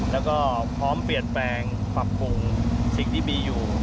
แล้วก็พร้อมเปลี่ยนแปลงปรับปรุงสิ่งที่มีอยู่